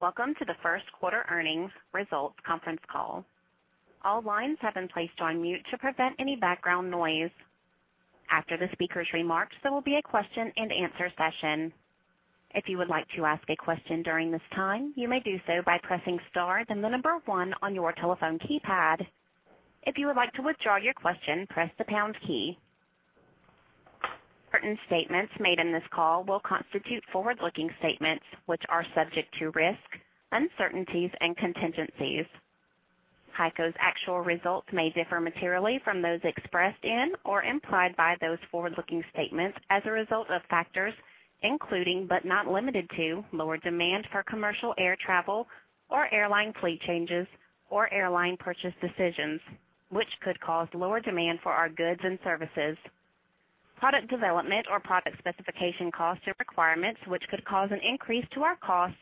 Welcome to the first quarter earnings results conference call. All lines have been placed on mute to prevent any background noise. After the speaker's remarks, there will be a question-and-answer session. If you would like to ask a question during this time, you may do so by pressing star then the number 1 on your telephone keypad. If you would like to withdraw your question, press the pound key. Certain statements made in this call will constitute forward-looking statements, which are subject to risks, uncertainties, and contingencies. HEICO's actual results may differ materially from those expressed in or implied by those forward-looking statements as a result of factors including, but not limited to, lower demand for commercial air travel or airline fleet changes or airline purchase decisions, which could cause lower demand for our goods and services. Product development or product specification costs or requirements, which could cause an increase to our cost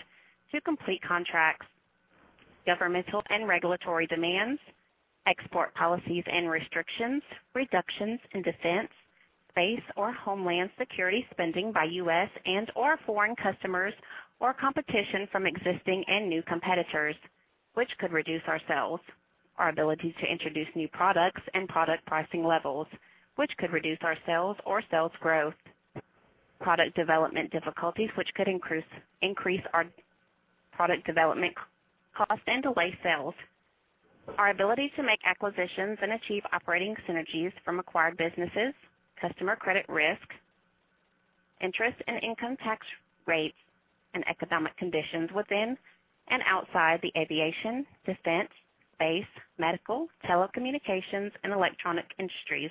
to complete contracts. Governmental and regulatory demands, export policies and restrictions, reductions in defense, base, or Homeland Security spending by U.S. and/or foreign customers, or competition from existing and new competitors, which could reduce our sales. Our ability to introduce new products and product pricing levels, which could reduce our sales or sales growth. Product development difficulties, which could increase our product development cost and delay sales. Our ability to make acquisitions and achieve operating synergies from acquired businesses, customer credit risk, interest and income tax rates, and economic conditions within and outside the aviation, defense, base, medical, telecommunications, and electronic industries,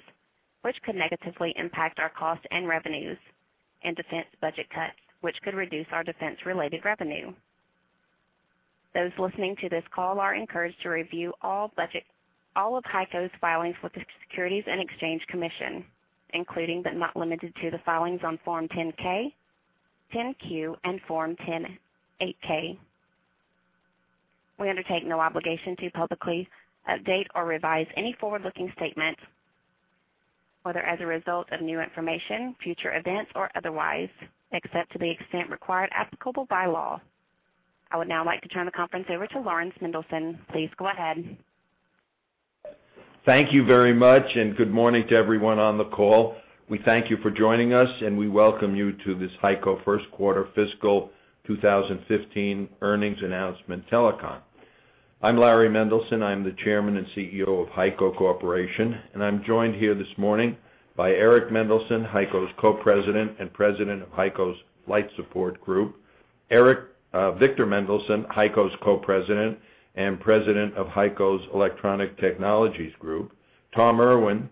which could negatively impact our cost and revenues, and defense budget cuts, which could reduce our defense-related revenue. Those listening to this call are encouraged to review all of HEICO's filings with the Securities and Exchange Commission, including but not limited to the filings on Form 10-K, 10-Q, and Form 8-K. We undertake no obligation to publicly update or revise any forward-looking statements, whether as a result of new information, future events, or otherwise, except to the extent required applicable by law. I would now like to turn the conference over to Laurans Mendelson. Please go ahead. Thank you very much, and good morning to everyone on the call. We thank you for joining us, and we welcome you to this HEICO first-quarter fiscal 2015 earnings announcement telecon. I'm Larry Mendelson. I'm the Chairman and Chief Executive Officer of HEICO Corporation, and I'm joined here this morning by Eric Mendelson, HEICO's Co-President and President of HEICO's Flight Support Group, Victor Mendelson, HEICO's Co-President and President of HEICO's Electronic Technologies Group, Tom Irwin,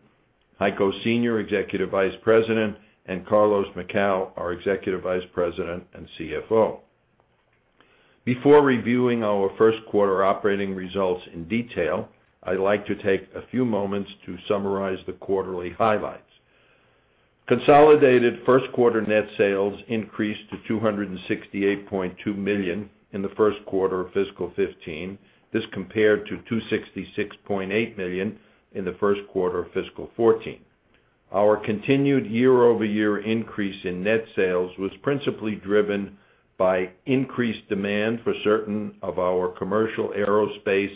HEICO's Senior Executive Vice President, and Carlos Macau, our Executive Vice President and CFO. Before reviewing our first-quarter operating results in detail, I'd like to take a few moments to summarize the quarterly highlights. Consolidated first-quarter net sales increased to $268.2 million in the first quarter of fiscal 2015. This compared to $266.8 million in the first quarter of fiscal 2014. Our continued year-over-year increase in net sales was principally driven by increased demand for certain of our commercial aerospace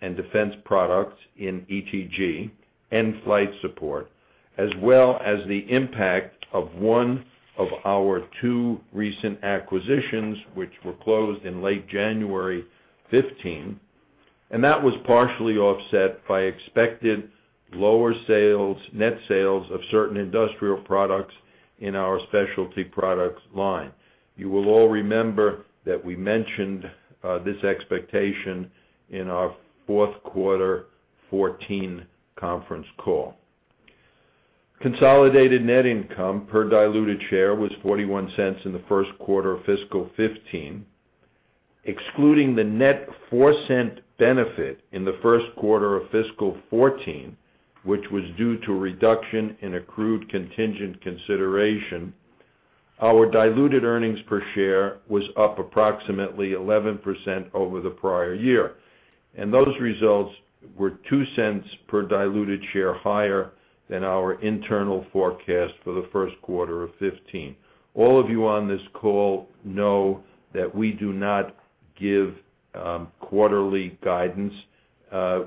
and defense products in ETG and Flight Support, as well as the impact of one of our two recent acquisitions, which were closed in late January 2015. That was partially offset by expected lower net sales of certain industrial products in our Specialty Products line. You will all remember that we mentioned this expectation in our fourth quarter 2014 conference call. Consolidated net income per diluted share was $0.41 in the first quarter of fiscal 2015. Excluding the net $0.04 benefit in the first quarter of fiscal 2014, which was due to a reduction in accrued contingent consideration, our diluted earnings per share was up approximately 11% over the prior year. Those results were $0.02 per diluted share higher than our internal forecast for the first quarter of 2015. All of you on this call know that we do not give quarterly guidance.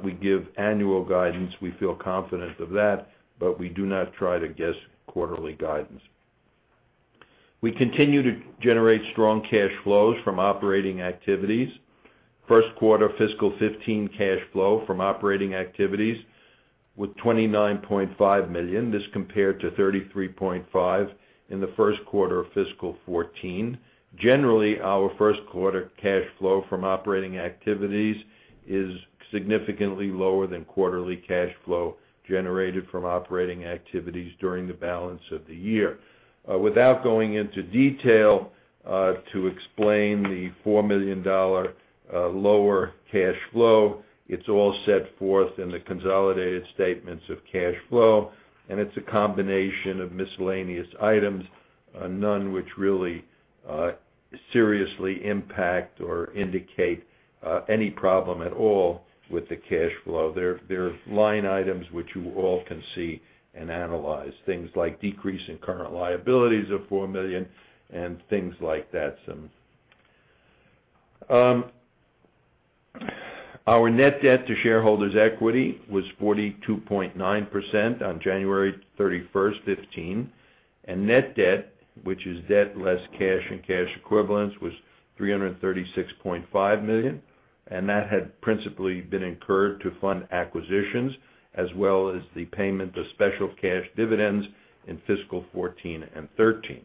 We give annual guidance. We feel confident of that, but we do not try to guess quarterly guidance. We continue to generate strong cash flows from operating activities. First quarter fiscal 2015 cash flow from operating activities was $29.5 million. This compared to $33.5 million in the first quarter of fiscal 2014. Generally, our first quarter cash flow from operating activities is significantly lower than quarterly cash flow generated from operating activities during the balance of the year. Without going into detail to explain the $4 million lower cash flow, it's all set forth in the consolidated statements of cash flow. It's a combination of miscellaneous items, none which really seriously impact or indicate any problem at all with the cash flow. They're line items which you all can see and analyze, things like decrease in current liabilities of $4 million and things like that. Our net debt to shareholders' equity was 42.9% on January 31, 2015. Net debt, which is debt less cash and cash equivalents, was $336.5 million. That had principally been incurred to fund acquisitions as well as the payment of special cash dividends in fiscal 2014 and 2013.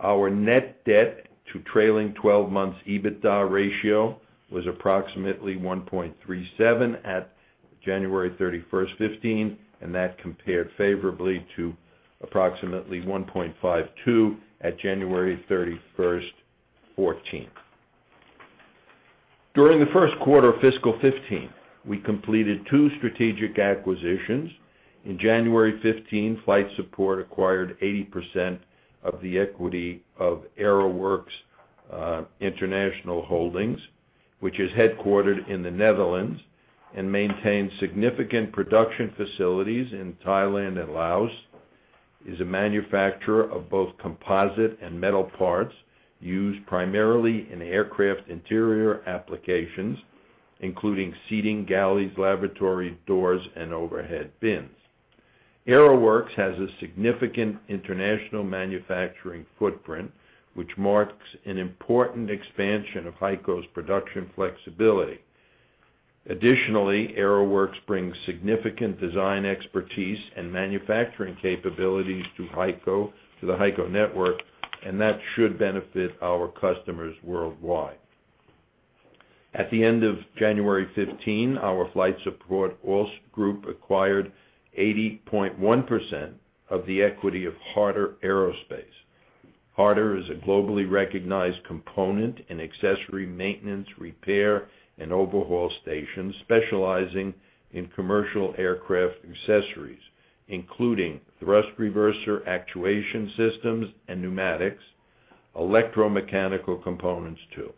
Our net debt to trailing 12 months EBITDA ratio was approximately 1.37 at January 31, 2015. That compared favorably to approximately 1.52 at January 31, 2014. During the first quarter of fiscal 2015, we completed two strategic acquisitions. In January 2015, Flight Support acquired 80% of the equity of Aeroworks International Holdings, which is headquartered in the Netherlands and maintains significant production facilities in Thailand and Laos. It is a manufacturer of both composite and metal parts used primarily in aircraft interior applications, including seating, galleys, lavatory doors, and overhead bins. Aeroworks has a significant international manufacturing footprint, which marks an important expansion of HEICO's production flexibility. Additionally, Aeroworks brings significant design expertise and manufacturing capabilities to the HEICO network. That should benefit our customers worldwide. At the end of January 2015, our Flight Support Group acquired 80.1% of the equity of Harter Aerospace. Harter is a globally recognized component and accessory maintenance, repair, and overhaul station specializing in commercial aircraft accessories, including thrust reverser actuation systems and pneumatics, electromechanical components too.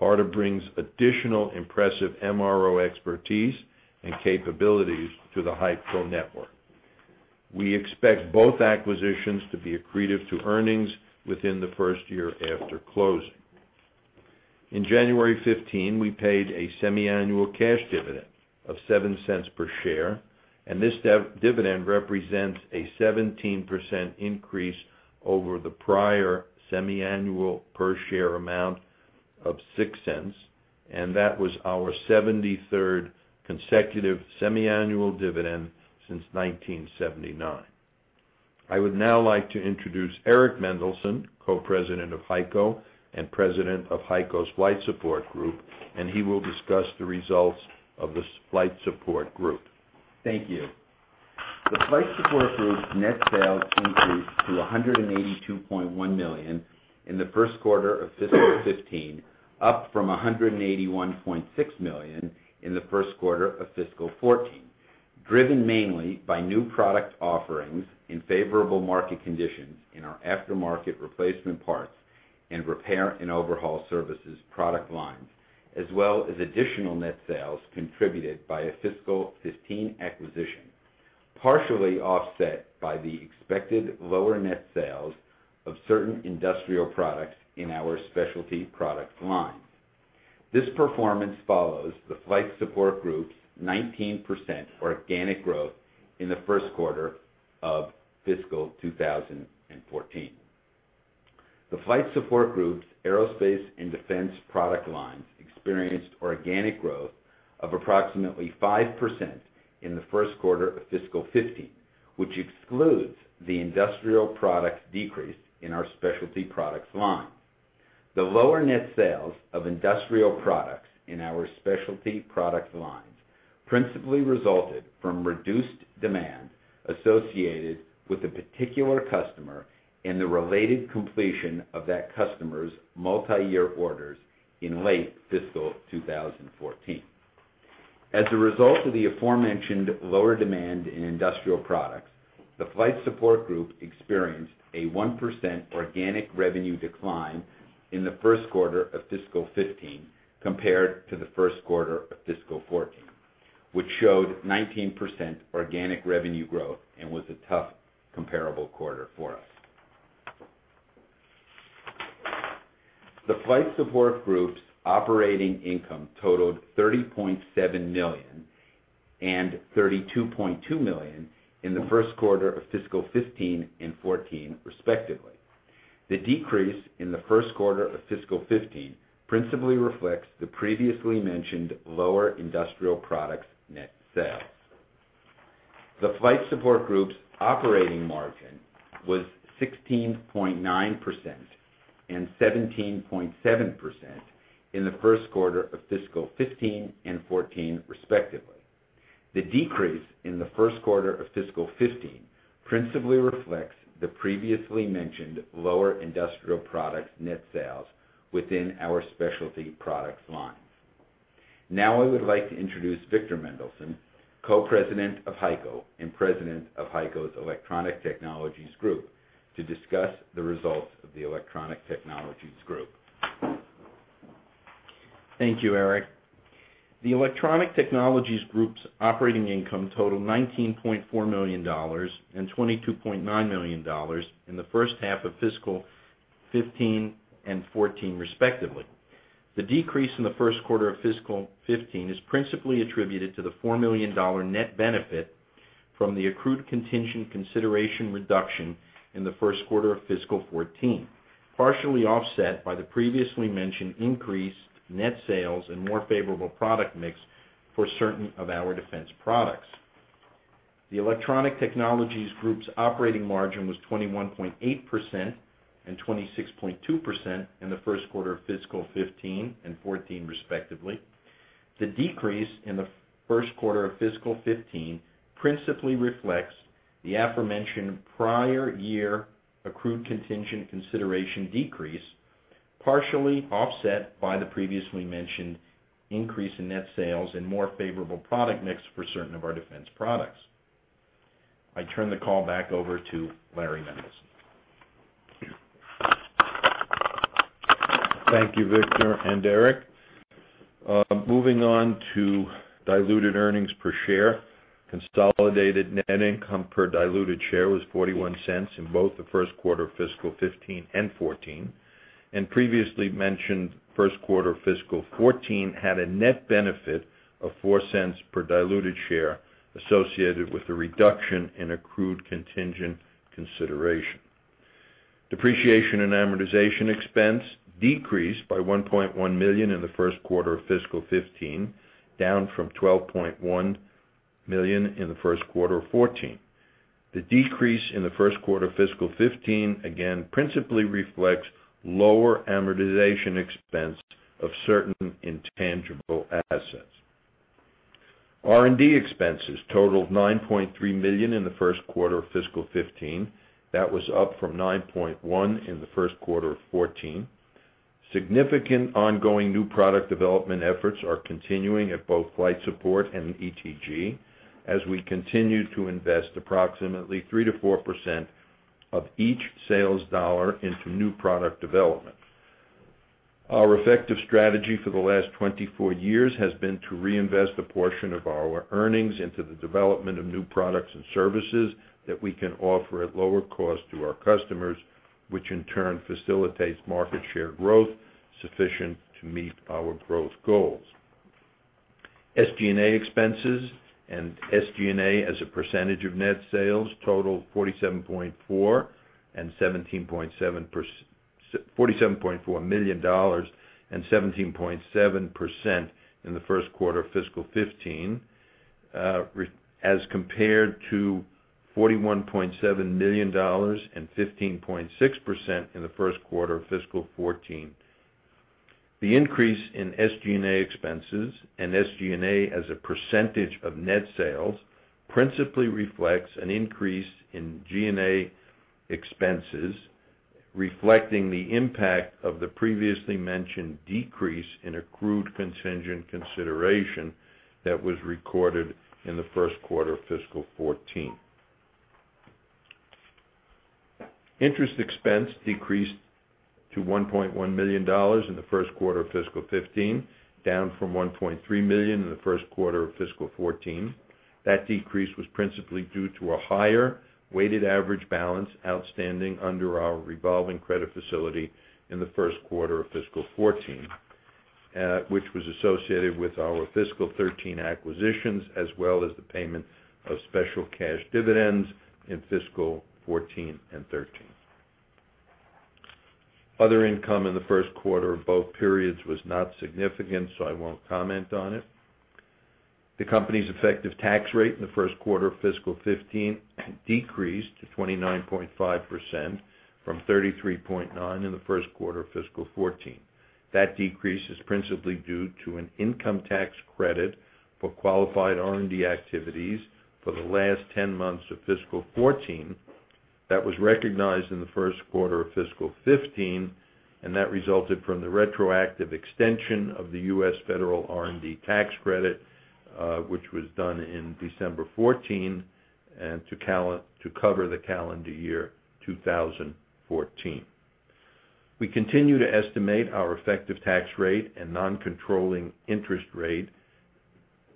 Harter brings additional impressive MRO expertise and capabilities to the HEICO network. We expect both acquisitions to be accretive to earnings within the first year after closing. In January 2015, we paid a semiannual cash dividend of $0.07 per share. This dividend represents a 17% increase over the prior semiannual per share amount of $0.06. That was our 73rd consecutive semiannual dividend since 1979. I would now like to introduce Eric Mendelson, Co-President of HEICO and President of HEICO's Flight Support Group. He will discuss the results of the Flight Support Group. Thank you. The Flight Support Group's net sales increased to $182.1 million in the first quarter of fiscal 2015, up from $181.6 million in the first quarter of fiscal 2014, driven mainly by new product offerings in favorable market conditions in our aftermarket replacement parts and repair and overhaul services product lines, as well as additional net sales contributed by a fiscal 2015 acquisition, partially offset by the expected lower net sales of certain industrial products in our Specialty Products lines. This performance follows the Flight Support Group's 19% organic growth in the first quarter of fiscal 2014. The Flight Support Group's aerospace and defense product lines experienced organic growth of approximately 5% in the first quarter of fiscal 2015, which excludes the industrial products decrease in our Specialty Products line. The lower net sales of industrial products in our Specialty Products lines principally resulted from reduced demand associated with a particular customer and the related completion of that customer's multi-year orders in late fiscal 2014. As a result of the aforementioned lower demand in industrial products, the Flight Support Group experienced a 1% organic revenue decline in the first quarter of fiscal 2015 compared to the first quarter of fiscal 2014, which showed 19% organic revenue growth and was a tough comparable quarter for us. The Flight Support Group's operating income totaled $30.7 million and $32.2 million in the first quarter of fiscal 2015 and 2014, respectively. The decrease in the first quarter of fiscal 2015 principally reflects the previously mentioned lower industrial products net sales. The Flight Support Group's operating margin was 16.9% and 17.7% in the first quarter of fiscal 2015 and 2014, respectively. The decrease in the first quarter of fiscal 2015 principally reflects the previously mentioned lower industrial products net sales within our Specialty Products lines. I would like to introduce Victor Mendelson, Co-President of HEICO and President of HEICO's Electronic Technologies Group, to discuss the results of the Electronic Technologies Group. Thank you, Eric. The Electronic Technologies Group's operating income totaled $19.4 million and $22.9 million in the first quarter of fiscal 2015 and 2014, respectively. The decrease in the first quarter of fiscal 2015 is principally attributed to the $4 million net benefit from the accrued contingent consideration reduction in the first quarter of fiscal 2014, partially offset by the previously mentioned increased net sales and more favorable product mix for certain of our defense products. The Electronic Technologies Group's operating margin was 21.8% and 26.2% in the first quarter of fiscal 2015 and 2014, respectively. The decrease in the first quarter of fiscal 2015 principally reflects the aforementioned prior year accrued contingent consideration decrease, partially offset by the previously mentioned increase in net sales and more favorable product mix for certain of our defense products. I turn the call back over to Larry Mendelson. Thank you, Victor and Eric. Moving on to diluted earnings per share. Consolidated net income per diluted share was $0.41 in both the first quarter of fiscal 2015 and 2014, and previously mentioned first quarter of fiscal 2014 had a net benefit of $0.04 per diluted share associated with the reduction in accrued contingent consideration. Depreciation and amortization expense decreased by $1.1 million in the first quarter of fiscal 2015, down from $12.1 million in the first quarter of 2014. The decrease in the first quarter of fiscal 2015, again, principally reflects lower amortization expense of certain intangible assets. R&D expenses totaled $9.3 million in the first quarter of fiscal 2015. That was up from $9.1 million in the first quarter of 2014. Significant ongoing new product development efforts are continuing at both Flight Support and ETG as we continue to invest approximately 3%-4% of each sales dollar into new product development. Our effective strategy for the last 24 years has been to reinvest a portion of our earnings into the development of new products and services that we can offer at lower cost to our customers, which in turn facilitates market share growth sufficient to meet our growth goals. SG&A expenses and SG&A as a percentage of net sales totaled $47.4 million and 17.7% in the first quarter of fiscal 2015, as compared to $41.7 million and 15.6% in the first quarter of fiscal 2014. The increase in SG&A expenses and SG&A as a percentage of net sales principally reflects an increase in G&A expenses, reflecting the impact of the previously mentioned decrease in accrued contingent consideration that was recorded in the first quarter of fiscal 2014. Interest expense decreased to $1.1 million in the first quarter of fiscal 2015, down from $1.3 million in the first quarter of fiscal 2014. That decrease was principally due to a higher weighted average balance outstanding under our revolving credit facility in the first quarter of fiscal 2014, which was associated with our fiscal 2013 acquisitions, as well as the payment of special cash dividends in fiscal 2014 and 2013. Other income in the first quarter of both periods was not significant. I won't comment on it. The company's effective tax rate in the first quarter of fiscal 2015 decreased to 29.5% from 33.9% in the first quarter of fiscal 2014. That decrease is principally due to an income tax credit for qualified R&D activities for the last 10 months of fiscal 2014 that was recognized in the first quarter of fiscal 2015. That resulted from the retroactive extension of the U.S. federal R&D tax credit, which was done in December 2014, to cover the calendar year 2014. We continue to estimate our effective tax rate and non-controlling interest rate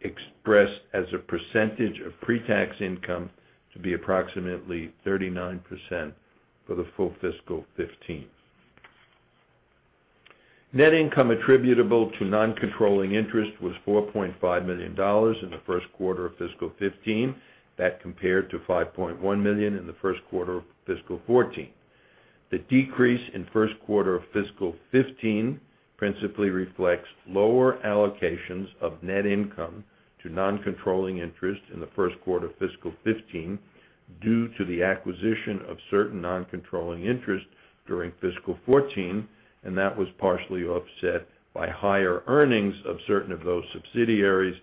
expressed as a percentage of pre-tax income to be approximately 39% for the full fiscal 2015. Net income attributable to non-controlling interest was $4.5 million in the first quarter of fiscal 2015. That compared to $5.1 million in the first quarter of fiscal 2014. The decrease in the first quarter of fiscal 2015 principally reflects lower allocations of net income to non-controlling interest in the first quarter of fiscal 2015 due to the acquisition of certain non-controlling interest during fiscal 2014. That was partially offset by higher earnings of certain of those subsidiaries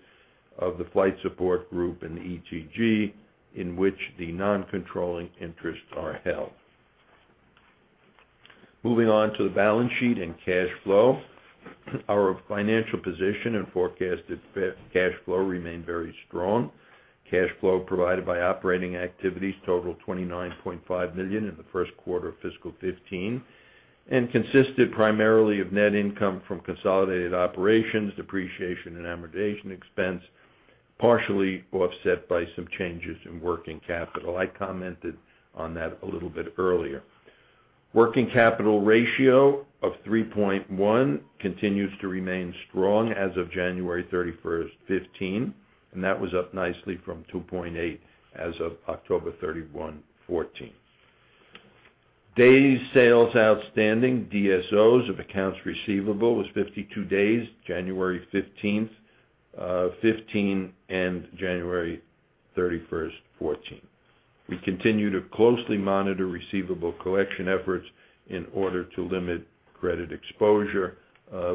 of the Flight Support Group and ETG, in which the non-controlling interests are held. Moving on to the balance sheet and cash flow. Our financial position and forecasted cash flow remain very strong. Cash flow provided by operating activities totaled $29.5 million in the first quarter of fiscal 2015 and consisted primarily of net income from consolidated operations, depreciation and amortization expense, partially offset by some changes in working capital. I commented on that a little bit earlier. Working capital ratio of 3.1 continues to remain strong as of January 31, 2015. That was up nicely from 2.8 as of October 31, 2014. Days sales outstanding, DSOs of accounts receivable was 52 days January 31, 2015, and January 31, 2014. We continue to closely monitor receivable collection efforts in order to limit credit exposure.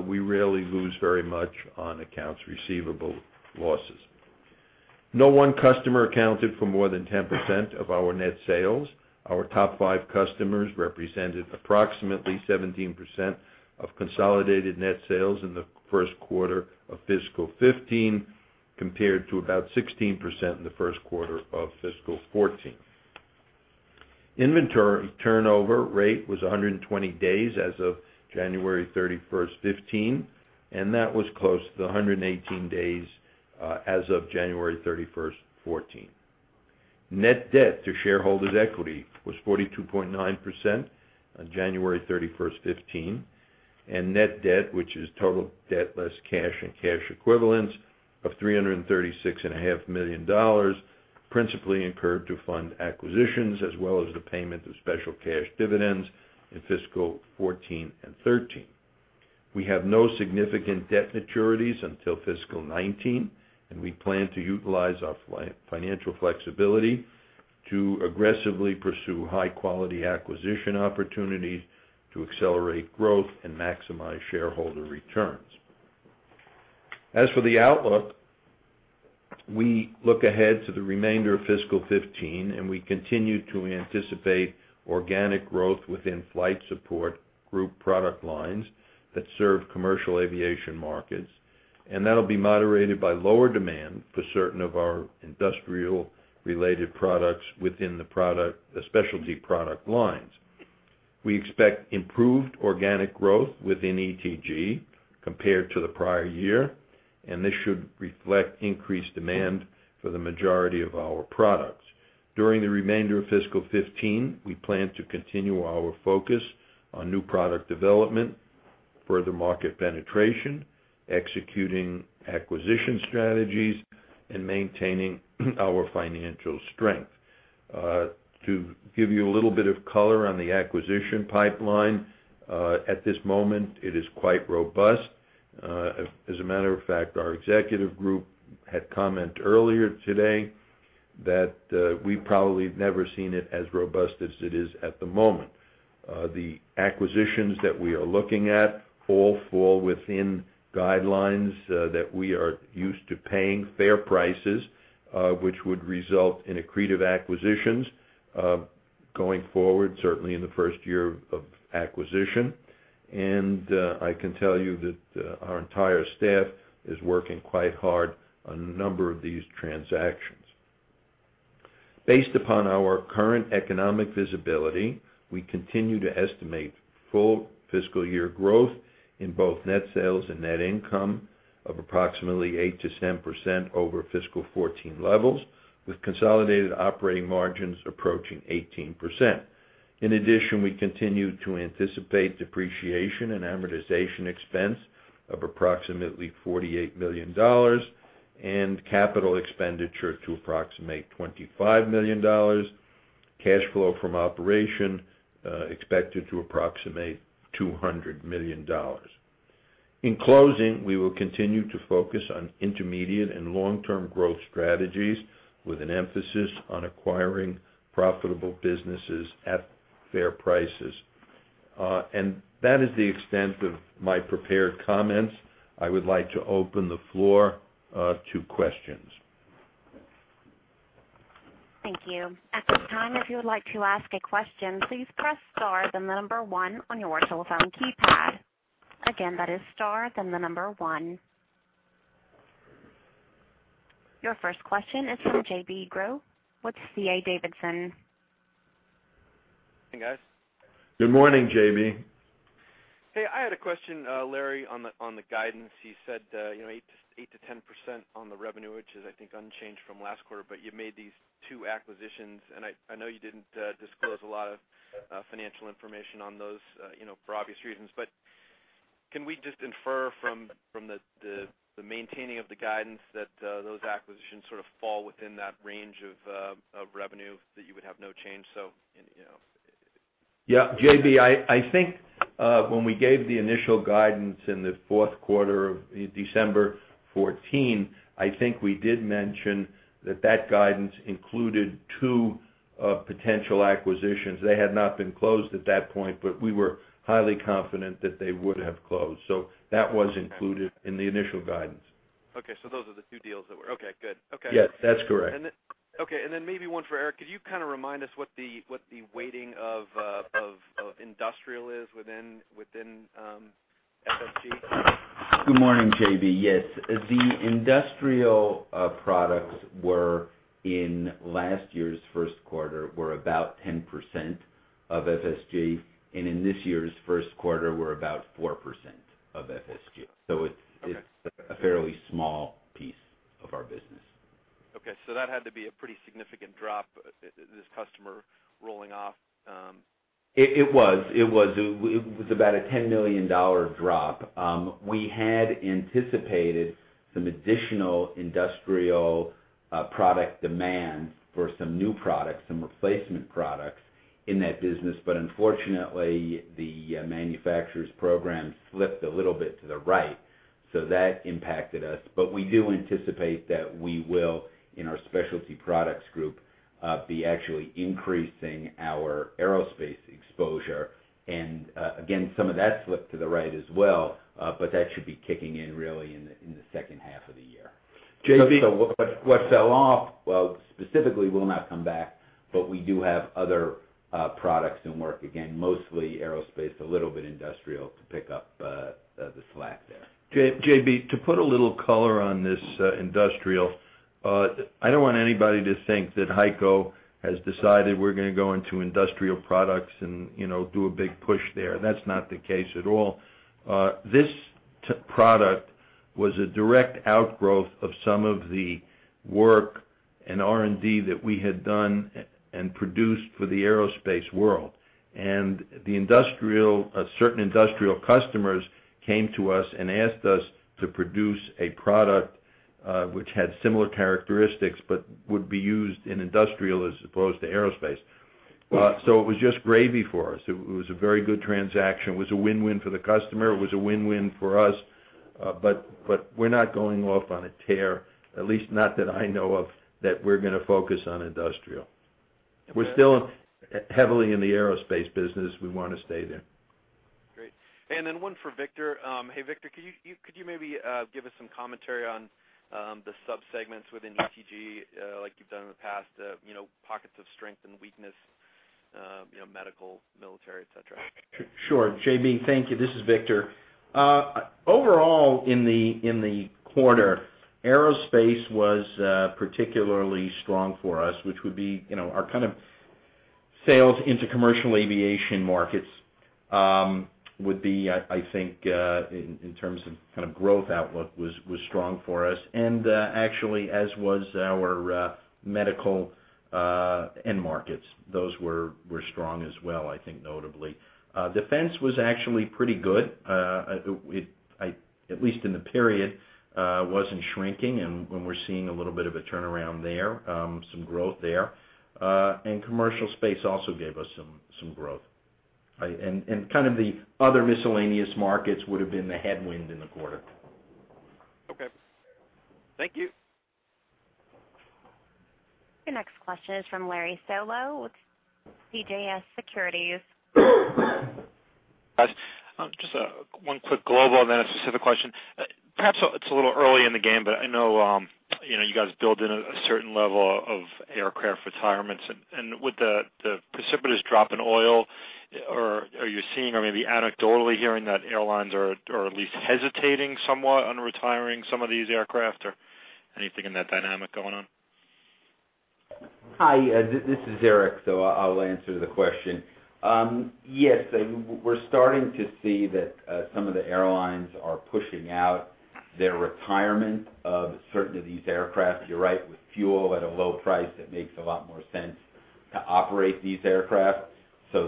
We rarely lose very much on accounts receivable losses. No one customer accounted for more than 10% of our net sales. Our top five customers represented approximately 17% of consolidated net sales in the first quarter of fiscal 2015, compared to about 16% in the first quarter of fiscal 2014. Inventory turnover rate was 120 days as of January 31, 2015. That was close to the 118 days as of January 31, 2014. Net debt to shareholders' equity was 42.9% on January 31st, 2015. Net debt, which is total debt less cash and cash equivalents of $336.5 million, principally incurred to fund acquisitions as well as the payment of special cash dividends in fiscal 2014 and 2013. We have no significant debt maturities until fiscal 2019. We plan to utilize our financial flexibility to aggressively pursue high-quality acquisition opportunities to accelerate growth and maximize shareholder returns. As for the outlook, we look ahead to the remainder of fiscal 2015. We continue to anticipate organic growth within Flight Support Group product lines that serve commercial aviation markets. That'll be moderated by lower demand for certain of our industrial-related products within the Specialty Product lines. We expect improved organic growth within ETG compared to the prior year. This should reflect increased demand for the majority of our products. During the remainder of fiscal 2015, we plan to continue our focus on new product development, further market penetration, executing acquisition strategies, and maintaining our financial strength. To give you a little bit of color on the acquisition pipeline, at this moment, it is quite robust. As a matter of fact, our executive group had comment earlier today that we probably have never seen it as robust as it is at the moment. The acquisitions that we are looking at all fall within guidelines that we are used to paying fair prices, which would result in accretive acquisitions, going forward, certainly in the first year of acquisition. I can tell you that our entire staff is working quite hard on a number of these transactions. Based upon our current economic visibility, we continue to estimate full fiscal year growth in both net sales and net income of approximately 8%-10% over fiscal 2014 levels, with consolidated operating margins approaching 18%. In addition, we continue to anticipate depreciation and amortization expense of approximately $48 million and capital expenditure to approximate $25 million. Cash flow from operation expected to approximate $200 million. In closing, we will continue to focus on intermediate and long-term growth strategies with an emphasis on acquiring profitable businesses at fair prices. That is the extent of my prepared comments. I would like to open the floor to questions. Thank you. At this time, if you would like to ask a question, please press star, then the number one on your telephone keypad. Again, that is star, then the number one. Your first question is from J.B. Groh with D.A. Davidson. Hey, guys. Good morning, J.B. Hey, I had a question, Larry, on the guidance. You said 8%-10% on the revenue, which is, I think, unchanged from last quarter, but you made these two acquisitions, and I know you didn't disclose a lot of financial information on those for obvious reasons. Can we just infer from the maintaining of the guidance that those acquisitions sort of fall within that range of revenue that you would have no change? You know Yeah, J.B., I think when we gave the initial guidance in the fourth quarter of December 2014, I think we did mention that that guidance included two potential acquisitions. They had not been closed at that point, but we were highly confident that they would have closed. That was included in the initial guidance. Okay, those are the two deals. Okay, good. Okay. Yes, that's correct. Okay, maybe one for Eric. Could you kind of remind us what the weighting of industrial is within FSG? Good morning, J.B. Yes. The industrial products in last year's first quarter were about 10% of FSG, and in this year's first quarter, we're about 4% of FSG. Okay. It's a fairly small piece of our business. Okay, that had to be a pretty significant drop, this customer rolling off. It was. It was about a $10 million drop. We had anticipated some additional industrial product demand for some new products, some replacement products in that business, but unfortunately, the manufacturer's program slipped a little bit to the right, so that impacted us. We do anticipate that we will, in our Specialty Products Group, be actually increasing our aerospace exposure. Again, some of that slipped to the right as well. That should be kicking in really in the second half of the year. J.B.- What fell off, well, specifically will not come back, but we do have other products in work, again, mostly aerospace, a little bit industrial to pick up the slack there. J.B., to put a little color on this industrial, I don't want anybody to think that HEICO has decided we're going to go into industrial products and do a big push there. That's not the case at all. This product was a direct outgrowth of some of the work and R&D that we had done and produced for the aerospace world. Certain industrial customers came to us and asked us to produce a product, which had similar characteristics, but would be used in industrial as opposed to aerospace. Right. It was just gravy for us. It was a very good transaction. It was a win-win for the customer. It was a win-win for us, but we're not going off on a tear, at least not that I know of, that we're going to focus on industrial. We're still heavily in the aerospace business. We want to stay there. Great. Then one for Victor. Hey, Victor, could you maybe give us some commentary on the sub-segments within ETG like you've done in the past, pockets of strength and weakness, medical, military, et cetera? Sure, J.B., thank you. This is Victor. Overall, in the quarter, aerospace was particularly strong for us, which would be our kind of sales into commercial aviation markets, would be, I think, in terms of kind of growth outlook was strong for us, and actually as was our medical end markets. Those were strong as well, I think notably. Defense was actually pretty good. At least in the period, wasn't shrinking and we're seeing a little bit of a turnaround there, some growth there. Commercial space also gave us some growth. Kind of the other miscellaneous markets would've been the headwind in the quarter. Okay. Thank you. Your next question is from Larry Solow with CJS Securities. Guys, just one quick global, then a specific question. Perhaps it's a little early in the game, but I know you guys build in a certain level of aircraft retirements. With the precipitous drop in oil, are you seeing or maybe anecdotally hearing that airlines are at least hesitating somewhat on retiring some of these aircraft, or anything in that dynamic going on? Hi, this is Eric, I'll answer the question. Yes, we're starting to see that some of the airlines are pushing out their retirement of certain of these aircraft. You're right. With fuel at a low price, it makes a lot more sense to operate these aircraft.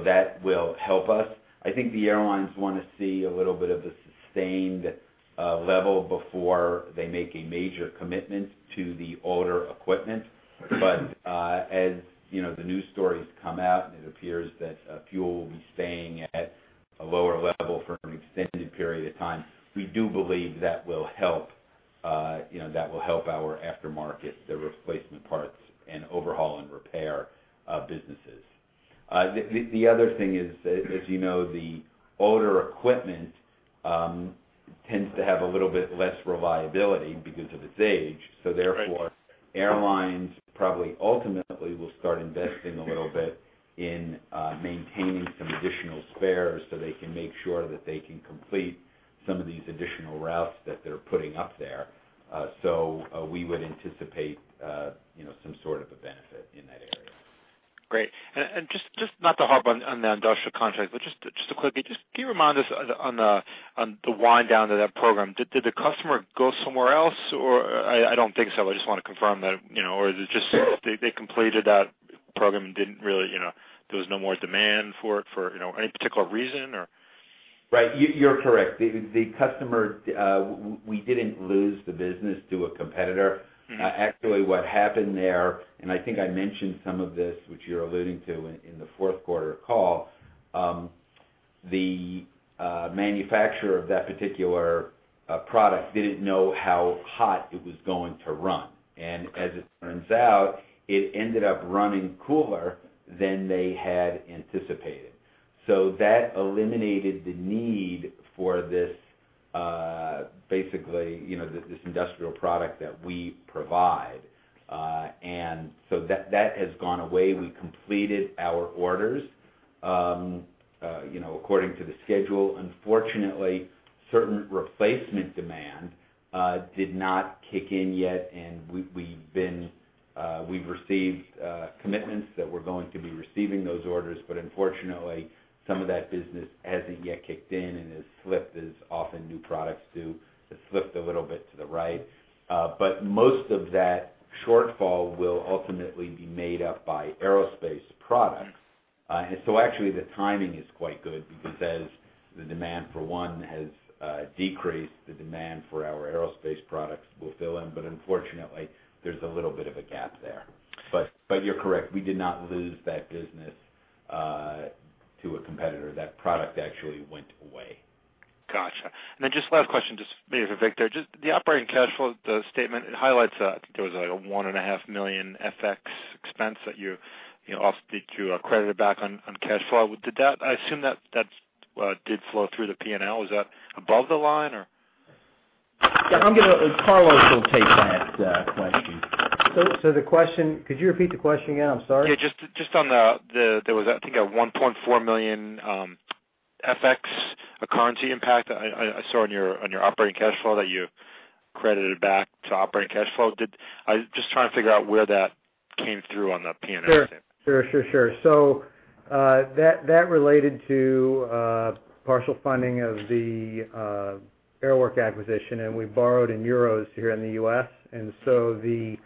That will help us. I think the airlines want to see a little bit of a sustained level before they make a major commitment to the older equipment. As the news stories come out, and it appears that fuel will be staying at a lower level for an extended period of time, we do believe that will help our aftermarket, the replacement parts, and overhaul and repair businesses. The other thing is as you know, the older equipment tends to have a little bit less reliability because of its age. Right. Therefore, airlines probably ultimately will start investing a little bit in maintaining some additional spares so they can make sure that they can complete some of these additional routes that they're putting up there. We would anticipate some sort of a benefit in that area. Great. Just not to harp on the industrial contract, just quickly, just can you remind us on the wind down of that program, did the customer go somewhere else, or I don't think so. I just want to confirm that, or is it just they completed that program and there was no more demand for it for any particular reason, or? Right. You're correct. The customer, we didn't lose the business to a competitor. Actually, what happened there, I think I mentioned some of this, which you're alluding to in the fourth quarter call, the manufacturer of that particular product didn't know how hot it was going to run. As it turns out, it ended up running cooler than they had anticipated. That eliminated the need for this, basically, this industrial product that we provide. That has gone away. We completed our orders. According to the schedule. Unfortunately, certain replacement demand did not kick in yet, and we've received commitments that we're going to be receiving those orders. Unfortunately, some of that business hasn't yet kicked in and has slipped, as often new products do. It's slipped a little bit to the right. Most of that shortfall will ultimately be made up by aerospace products. Actually the timing is quite good because as the demand for one has decreased, the demand for our aerospace products will fill in. Unfortunately, there's a little bit of a gap there. You're correct, we did not lose that business to a competitor. That product actually went away. Got you. Last question, just maybe for Victor Mendelson. The operating cash flow, the statement, it highlights, I think there was a one and a half million FX expense that you added back on cash flow. I assume that did flow through the P&L. Is that above the line, or? Yeah, Carlos Macau will take that question. The question, could you repeat the question again? I'm sorry. Yeah, just on the, there was I think a $1.4 million FX currency impact I saw on your operating cash flow that you credited back to operating cash flow. I was just trying to figure out where that came through on the P&L. Sure. That related to partial funding of the Aeroworks acquisition, and we borrowed in euros here in the U.S. The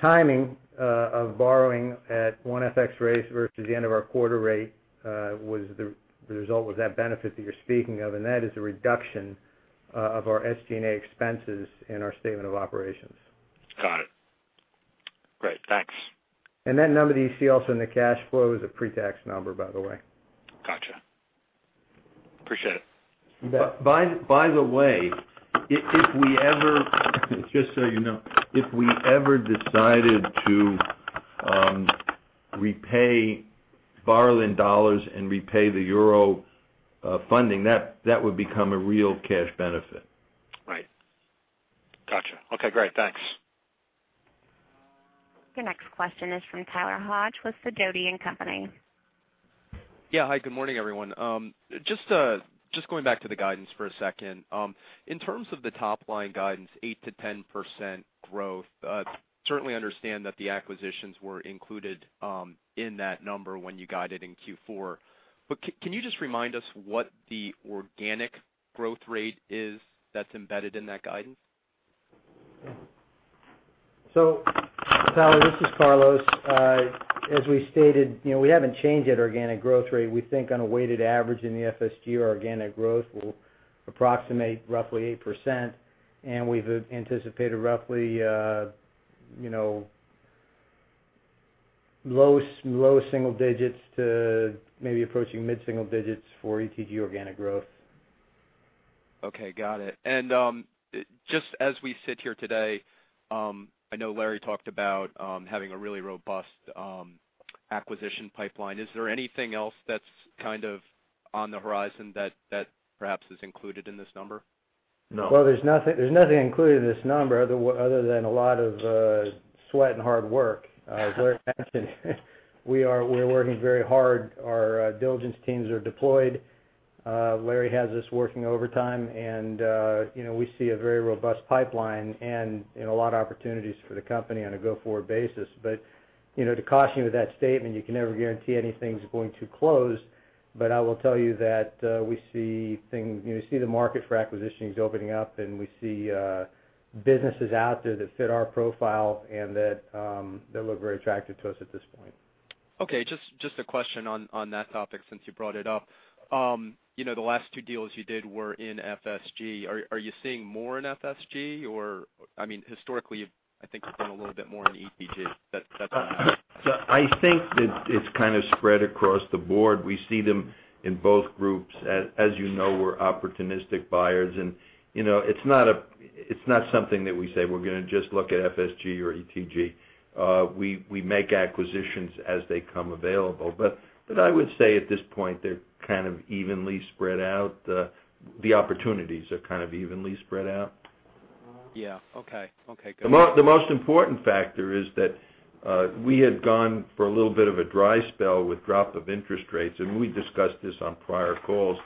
timing of borrowing at one FX rate versus the end of our quarter rate, the result was that benefit that you're speaking of, and that is a reduction of our SG&A expenses in our statement of operations. Got it. Great. Thanks. That number that you see also in the cash flow is a pre-tax number, by the way. Got you. Appreciate it. Just so you know, if we ever decided to repay, borrow in dollars and repay the Euro funding, that would become a real cash benefit. Right. Got you. Okay, great. Thanks. Your next question is from Tyler Hojo with Topeka Capital Markets. Yeah. Hi, good morning, everyone. Just going back to the guidance for a second. In terms of the top-line guidance, 8%-10% growth, certainly understand that the acquisitions were included in that number when you guided in Q4. Can you just remind us what the organic growth rate is that's embedded in that guidance? Tyler, this is Carlos. As we stated, we haven't changed that organic growth rate. We think on a weighted average in the FSG, our organic growth will approximate roughly 8%, and we've anticipated roughly low single digits to maybe approaching mid-single digits for ETG organic growth. Okay, got it. Just as we sit here today, I know Larry talked about having a really robust acquisition pipeline. Is there anything else that's on the horizon that perhaps is included in this number? No. There's nothing included in this number other than a lot of sweat and hard work. As Larry mentioned, we are working very hard. Our diligence teams are deployed. Larry has us working overtime, and we see a very robust pipeline and a lot of opportunities for the company on a go-forward basis. To caution you with that statement, you can never guarantee anything's going to close. I will tell you that we see the market for acquisitions opening up, and we see businesses out there that fit our profile and that look very attractive to us at this point. Okay. Just a question on that topic since you brought it up. The last 2 deals you did were in FSG. Are you seeing more in FSG, or I mean, historically, I think you've been a little bit more in ETG. Is that fair? I think that it's kind of spread across the board. We see them in both groups. As you know, we're opportunistic buyers, and it's not something that we say we're going to just look at FSG or ETG. We make acquisitions as they come available. I would say at this point, they're kind of evenly spread out. The opportunities are kind of evenly spread out. Yeah. Okay, good. The most important factor is that we had gone for a little bit of a dry spell with drop of interest rates, and we discussed this on prior calls.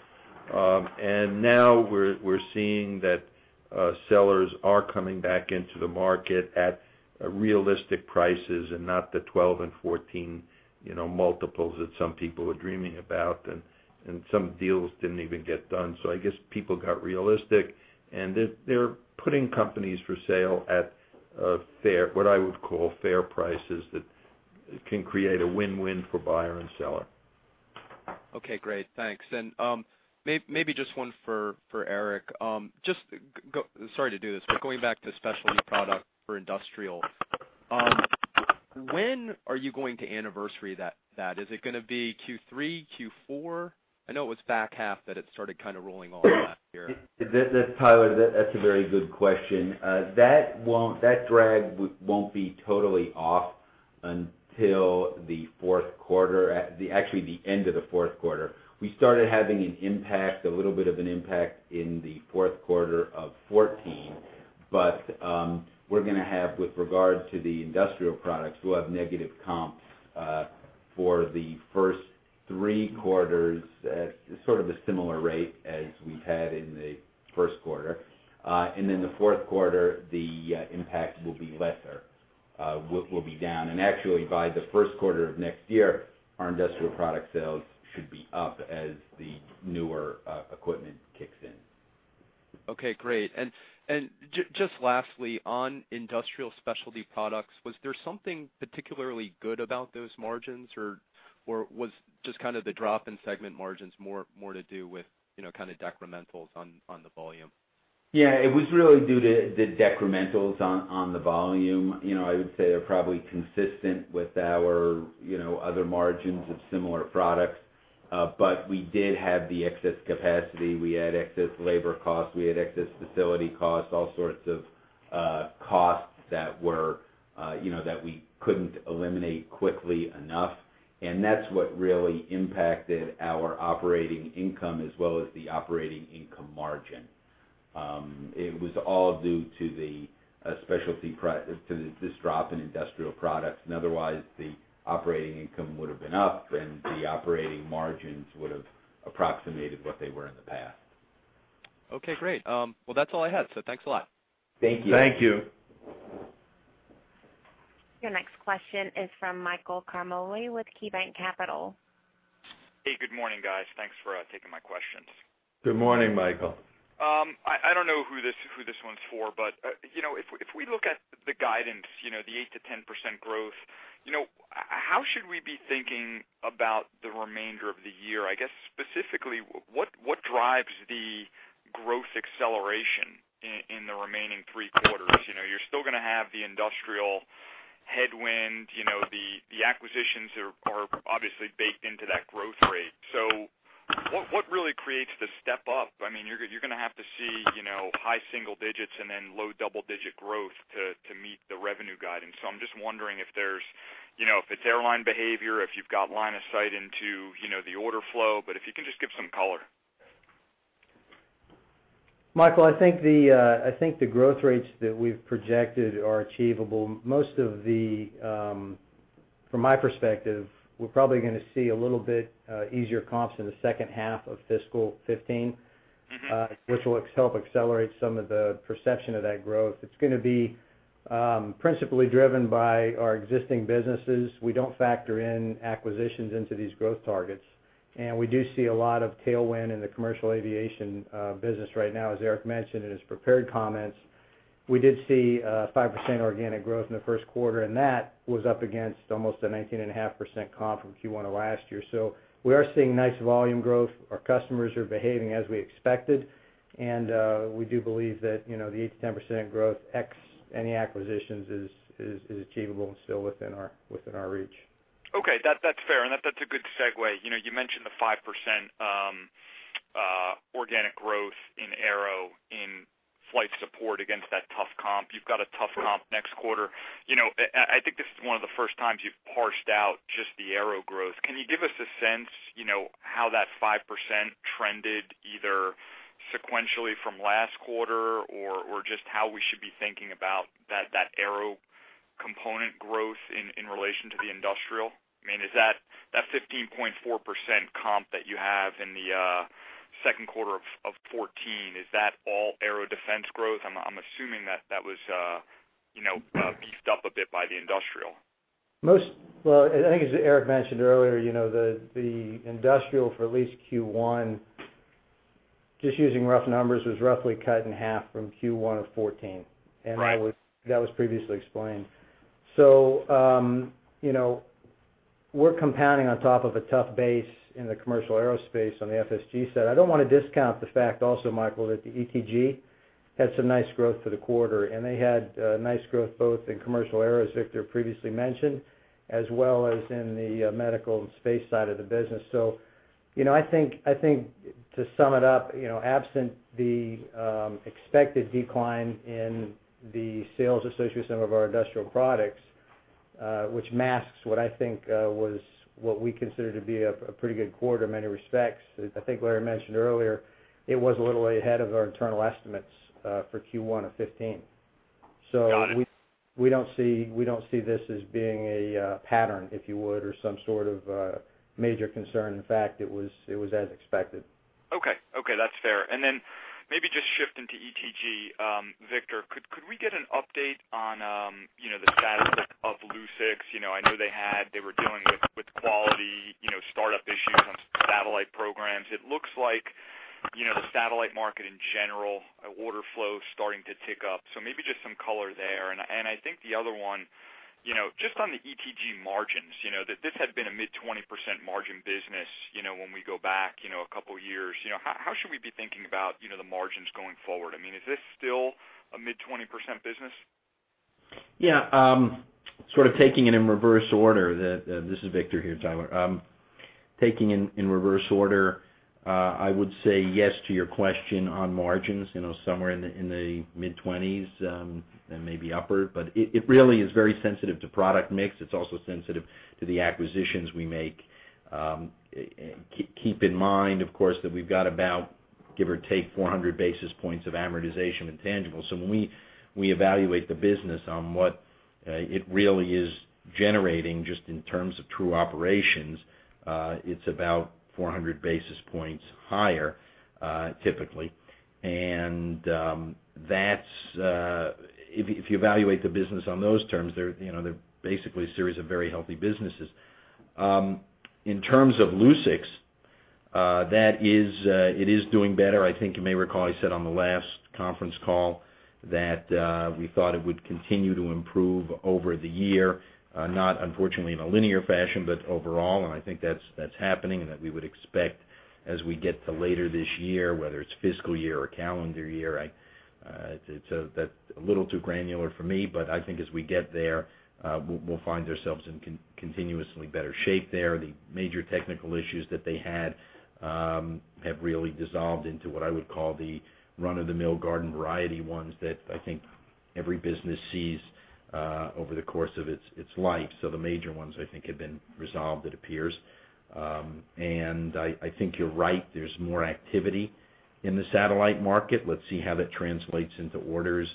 Now we're seeing that sellers are coming back into the market at realistic prices and not the 12 and 14 multiples that some people are dreaming about, and some deals didn't even get done. I guess people got realistic, and they're putting companies for sale at what I would call fair prices that can create a win-win for buyer and seller. Okay, great. Thanks. Maybe just one for Eric. Sorry to do this, going back to Specialty Products for industrial. When are you going to anniversary that? Is it going to be Q3, Q4? I know it was back half that it started kind of rolling off last year. Tyler, that's a very good question. That drag won't be totally off until the fourth quarter, actually the end of the fourth quarter. We started having an impact, a little bit of an impact in the fourth quarter of 2014. We're going to have, with regard to the industrial products, we'll have negative comps for the first three quarters at sort of a similar rate as we had in the first quarter. The fourth quarter, the impact will be lesser, will be down. Actually, by the first quarter of next year, our industrial product sales should be up as the newer equipment kicks in. Okay, great. Just lastly, on industrial Specialty Products, was there something particularly good about those margins, or was just kind of the drop in segment margins more to do with decrementals on the volume? Yeah. It was really due to the decrementals on the volume. I would say they're probably consistent with our other margins of similar products. We did have the excess capacity. We had excess labor costs. We had excess facility costs, all sorts of costs that we couldn't eliminate quickly enough. That's what really impacted our operating income as well as the operating income margin. It was all due to this drop in industrial products. Otherwise, the operating income would've been up, and the operating margins would've approximated what they were in the past. Okay, great. Well, that's all I had. Thanks a lot. Thank you. Thank you. Your next question is from Michael Ciarmoli with KeyBanc Capital. Hey, good morning, guys. Thanks for taking my questions. Good morning, Michael. I don't know who this one's for. If we look at the guidance, the 8%-10% growth, how should we be thinking about the remainder of the year? I guess specifically, what drives the growth acceleration in the remaining three quarters? You're still gonna have the industrial headwind. The acquisitions are obviously baked into that growth rate. What really creates the step up? You're gonna have to see high single digits and then low double-digit growth to meet the revenue guidance. I'm just wondering if it's airline behavior, if you've got line of sight into the order flow, but if you can just give some color. Michael, I think the growth rates that we've projected are achievable. From my perspective, we're probably gonna see a little bit easier comps in the second half of fiscal 2015, which will help accelerate some of the perception of that growth. It's gonna be principally driven by our existing businesses. We don't factor in acquisitions into these growth targets, and we do see a lot of tailwind in the commercial aviation business right now, as Eric mentioned in his prepared comments. We did see a 5% organic growth in the first quarter, and that was up against almost a 19.5% comp from Q1 of last year. We are seeing nice volume growth. Our customers are behaving as we expected, and we do believe that the 8%-10% growth ex any acquisitions is achievable and still within our reach. Okay. That's fair. That's a good segue. You mentioned the 5% organic growth in aero in Flight Support against that tough comp. You've got a tough comp next quarter. I think this is one of the first times you've parsed out just the aero growth. Can you give us a sense how that 5% trended, either sequentially from last quarter or just how we should be thinking about that aero component growth in relation to the industrial? That 15.4% comp that you have in the second quarter of 2014, is that all aero defense growth? I'm assuming that was beefed up a bit by the industrial. I think as Eric mentioned earlier, the industrial for at least Q1, just using rough numbers, was roughly cut in half from Q1 of 2014. That was previously explained. We're compounding on top of a tough base in the commercial aerospace on the FSG side. I don't want to discount the fact also, Michael, that the ETG had some nice growth for the quarter. They had nice growth both in commercial aero, as Victor previously mentioned, as well as in the medical and space side of the business. I think to sum it up, absent the expected decline in the sales associated with some of our industrial products, which masks what I think was what we consider to be a pretty good quarter in many respects. I think Larry mentioned earlier it was a little ahead of our internal estimates for Q1 of 2015. Got it. We don't see this as being a pattern, if you would, or some sort of major concern. In fact, it was as expected. Okay. That's fair. Maybe just shifting to ETG. Victor, could we get an update on the status of Lucix? I know they were dealing with quality startup issues on some satellite programs. It looks like the satellite market in general, order flow is starting to tick up. Maybe just some color there. I think the other one, just on the ETG margins. This had been a mid-20% margin business when we go back a couple of years. How should we be thinking about the margins going forward? Is this still a mid-20% business? Yeah. Sort of taking it in reverse order, this is Victor here, Tyler. Taking in reverse order, I would say yes to your question on margins, somewhere in the mid-20s, and maybe upper. It really is very sensitive to product mix. It's also sensitive to the acquisitions we make. Keep in mind, of course, that we've got about Give or take 400 basis points of amortization of intangibles. When we evaluate the business on what it really is generating, just in terms of true operations, it's about 400 basis points higher, typically. If you evaluate the business on those terms, they're basically a series of very healthy businesses. In terms of Lucix, it is doing better. I think you may recall I said on the last conference call that we thought it would continue to improve over the year, not unfortunately in a linear fashion, but overall, and I think that's happening and that we would expect as we get to later this year, whether it's fiscal year or calendar year. That's a little too granular for me. I think as we get there, we'll find ourselves in continuously better shape there. The major technical issues that they had, have really dissolved into what I would call the run-of-the-mill garden variety ones that I think every business sees over the course of its life. The major ones, I think, have been resolved, it appears. I think you're right. There's more activity in the satellite market. Let's see how that translates into orders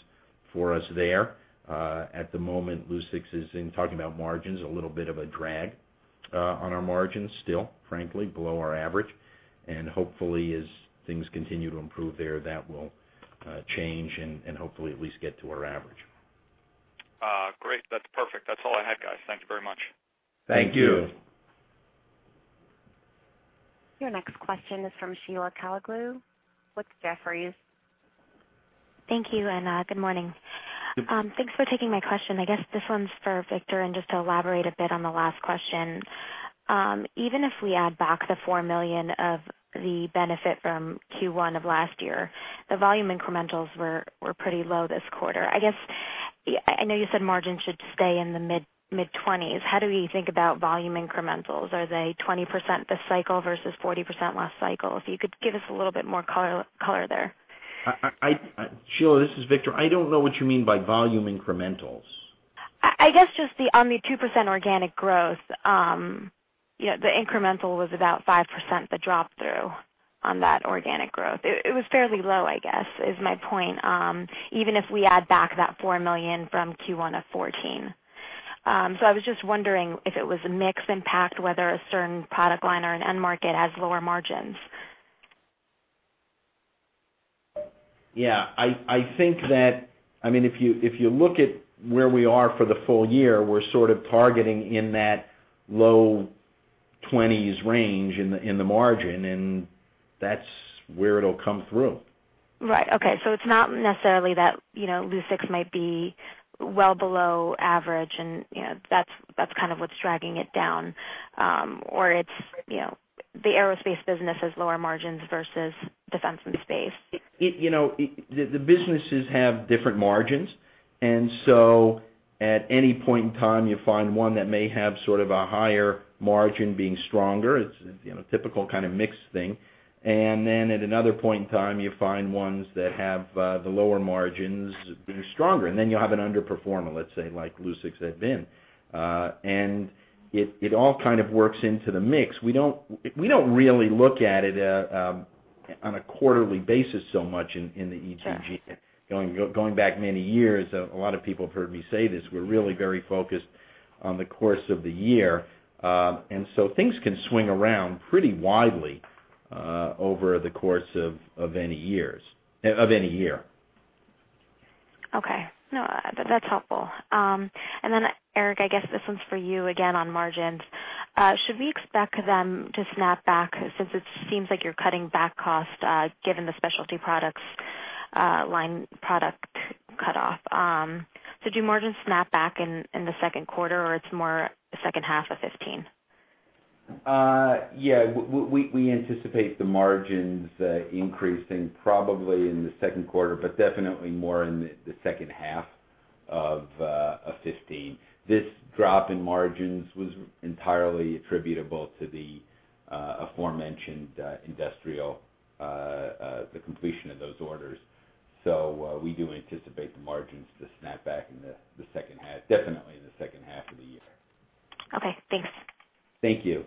for us there. At the moment, Lucix is, in talking about margins, a little bit of a drag on our margins still, frankly, below our average. Hopefully, as things continue to improve there, that will change and hopefully at least get to our average. Great. That's perfect. That's all I had, guys. Thank you very much. Thank you. Your next question is from Sheila Kahyaoglu with Jefferies. Thank you, and good morning. Good. Thanks for taking my question. I guess this one's for Victor, just to elaborate a bit on the last question. Even if we add back the $4 million of the benefit from Q1 of last year, the volume incrementals were pretty low this quarter. I know you said margins should stay in the mid 20s. How do we think about volume incrementals? Are they 20% this cycle versus 40% last cycle? If you could give us a little bit more color there. Sheila, this is Victor. I don't know what you mean by volume incrementals. I guess just on the 2% organic growth, the incremental was about 5%, the drop-through on that organic growth. It was fairly low, I guess is my point. Even if we add back that $4 million from Q1 of 2014. I was just wondering if it was a mix impact, whether a certain product line or an end market has lower margins. Yeah, if you look at where we are for the full year, we're sort of targeting in that low 20s range in the margin, that's where it'll come through. Right. Okay. It's not necessarily that, Lucix might be well below average and that's kind of what's dragging it down. Or it's the aerospace business has lower margins versus defense and space. The businesses have different margins, at any point in time, you find one that may have sort of a higher margin being stronger. It's a typical kind of mix thing. At another point in time, you find ones that have the lower margins being stronger, then you'll have an underperformer, let's say like Lucix had been. It all kind of works into the mix. We don't really look at it on a quarterly basis so much in the ETG. Got it. Going back many years, a lot of people have heard me say this, we're really very focused on the course of the year. Things can swing around pretty widely, over the course of any year. Okay. No, that's helpful. Eric, I guess this one's for you again on margins. Should we expect them to snap back, since it seems like you're cutting back cost, given the Specialty Products line product cutoff? Do margins snap back in the second quarter, or it's more the second half of 2015? Yeah. We anticipate the margins increasing probably in the second quarter, but definitely more in the second half of 2015. This drop in margins was entirely attributable to the aforementioned industrial, the completion of those orders. We do anticipate the margins to snap back in the second half, definitely in the second half of the year. Okay, thanks. Thank you.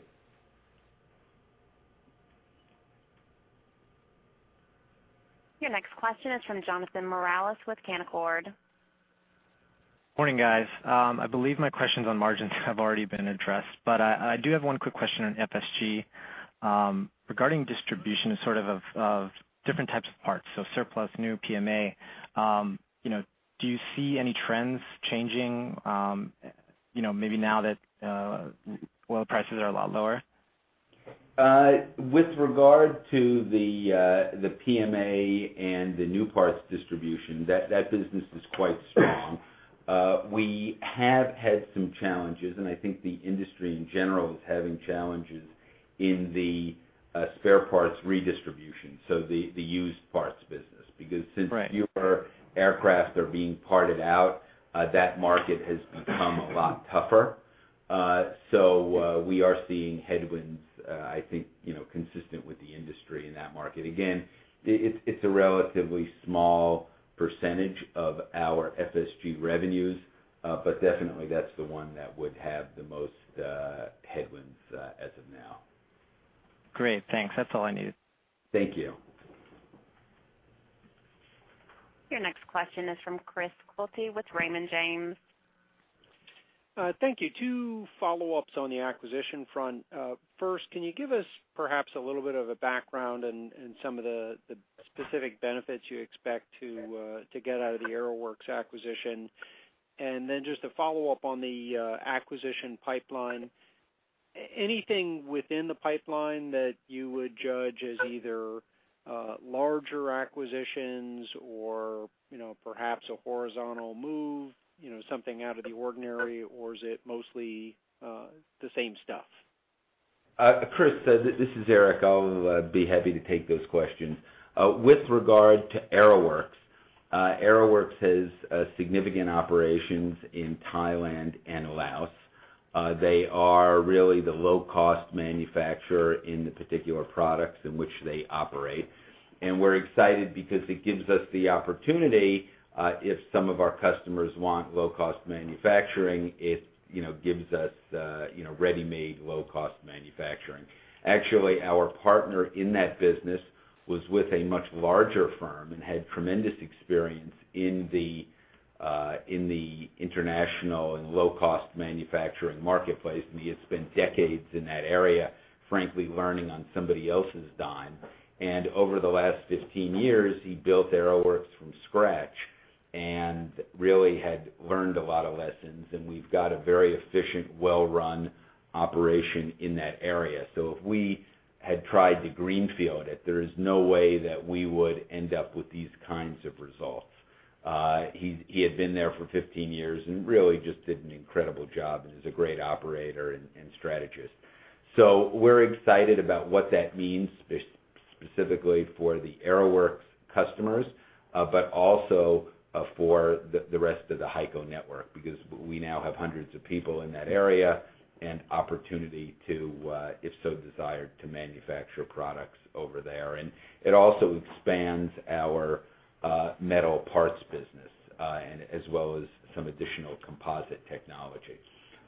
Your next question is from Jonathan Morales with Canaccord. Morning, guys. I believe my questions on margins have already been addressed, I have one quick question on FSG. Regarding distribution sort of different types of parts, so surplus, new PMA. Do you see any trends changing, maybe now that oil prices are a lot lower? With regard to the PMA and the new parts distribution, that business is quite strong. We have had some challenges, I think the industry, in general, is having challenges in the spare parts redistribution, so the used parts business. Because since- Right fewer aircraft are being parted out, that market has become a lot tougher. We are seeing headwinds, I think, consistent with the industry in that market. Again, it's a relatively small percentage of our FSG revenues Definitely that's the one that would have the most headlines as of now. Great. Thanks. That's all I needed. Thank you. Your next question is from Chris Quilty with Raymond James. Thank you. Two follow-ups on the acquisition front. First, can you give us perhaps a little bit of a background and some of the specific benefits you expect to get out of the Aeroworks acquisition? Just a follow-up on the acquisition pipeline. Anything within the pipeline that you would judge as either larger acquisitions or perhaps a horizontal move, something out of the ordinary? Is it mostly the same stuff? Chris, this is Eric. I'll be happy to take those questions. With regard to Aeroworks has significant operations in Thailand and Laos. They are really the low-cost manufacturer in the particular products in which they operate. We're excited because it gives us the opportunity, if some of our customers want low-cost manufacturing, it gives us ready-made, low-cost manufacturing. Actually, our partner in that business was with a much larger firm and had tremendous experience in the international and low-cost manufacturing marketplace, and he had spent decades in that area, frankly, learning on somebody else's dime. Over the last 15 years, he built Aeroworks from scratch and really had learned a lot of lessons, and we've got a very efficient, well-run operation in that area. If we had tried to greenfield it, there is no way that we would end up with these kinds of results. He had been there for 15 years and really just did an incredible job and is a great operator and strategist. We're excited about what that means, specifically for the Aeroworks customers, but also for the rest of the HEICO network, because we now have hundreds of people in that area, and opportunity to, if so desired, to manufacture products over there. It also expands our metal parts business, as well as some additional composite technology,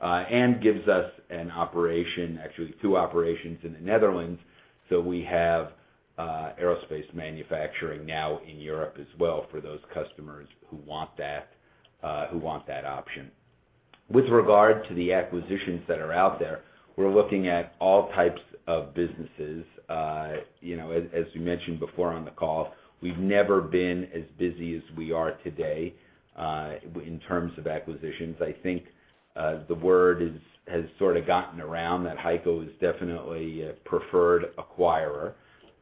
and gives us an operation, actually two operations in the Netherlands, so we have aerospace manufacturing now in Europe as well for those customers who want that option. With regard to the acquisitions that are out there, we're looking at all types of businesses. As we mentioned before on the call, we've never been as busy as we are today in terms of acquisitions. I think the word has sort of gotten around that HEICO is definitely a preferred acquirer.